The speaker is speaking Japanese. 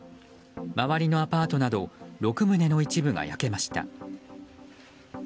周りのアパートなど６棟の一部が焼けました。